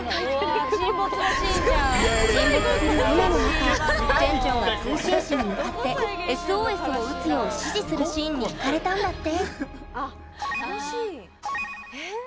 沈没する船の中船長が通信士に向かってＳＯＳを打つよう指示するシーンにひかれたんだって。